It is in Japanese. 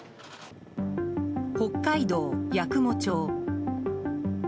北海道八雲町。